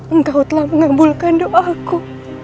engkau telah mengambulkan doaku